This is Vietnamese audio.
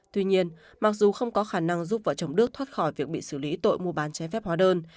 tuy nhiên mặc dù không có khả năng giúp vợ chồng đức thoát khỏi việc bị xử lý tội mua bán trái phép hóa đơn